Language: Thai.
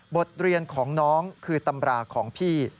บทเรียนของน้องคือตำราของพี่